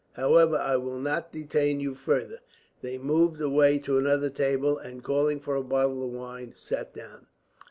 However, I will not detain you farther." They moved away to another table and, calling for a bottle of wine, sat down.